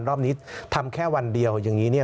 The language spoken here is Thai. รอบนี้ทำแค่วันเดียวอย่างนี้เนี่ย